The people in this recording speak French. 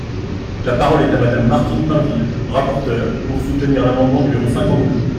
La parole est à Madame Martine Pinville, rapporteure, pour soutenir l’amendement numéro cinquante-deux.